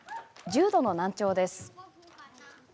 重度の難聴です。